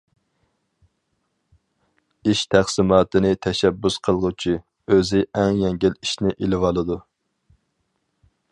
ئىش تەقسىماتىنى تەشەببۇس قىلغۇچى، ئۆزى ئەڭ يەڭگىل ئىشنى ئېلىۋالىدۇ.